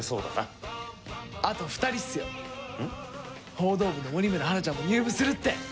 報道部の森村花ちゃんも入部するって！